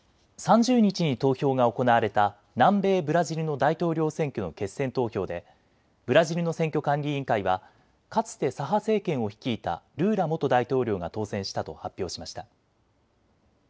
３０日に投票が行われた南米ブラジルの大統領選挙の決選投票でブラジルの選挙管理委員会はかつて左派政権を率いたルーラ元大統領が当選したと発表しました。